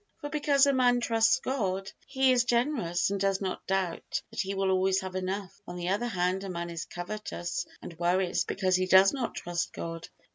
For because a man trusts God, he is generous and does not doubt that he will always have enough; on the other hand, a man is covetous and worries because he does not trust God.